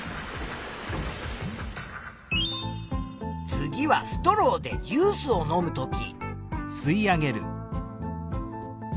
次はストローでジュースを飲むとき。